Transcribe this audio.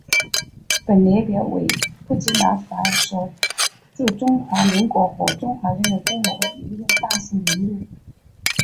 本列表为布基纳法索驻中华民国和中华人民共和国历任大使名录。